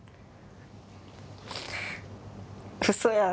うそやん。